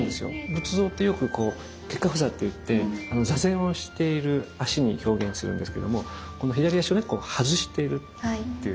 仏像ってよくこう結跏趺坐といって坐禅をしている足に表現をするんですけどもこの左足をね外しているっていう。